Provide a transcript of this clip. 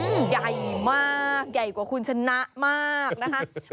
มันใหญ่มากใหญ่กว่าคุณชนะมากนะคะ